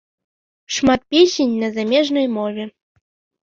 Шмат песень на замежнай мове.